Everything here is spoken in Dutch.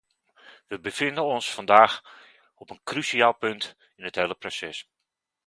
Wij bevinden ons vandaag op een cruciaal punt in het hele proces.